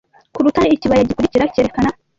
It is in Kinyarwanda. Ku rutare ikibaya gikurikira cyerekana